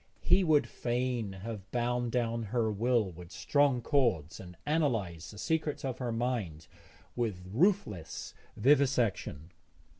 He would fain have bound down her will with strong cords and analysed the secrets of her mind with ruthless vivisection.